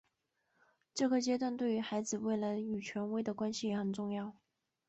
这个阶段对于孩子未来与权威的关系也很重要。